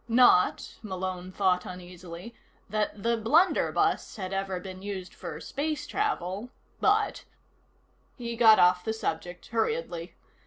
Not, Malone thought uneasily, that the blunderbuss had ever been used for space travel, but He got off the subject hurriedly.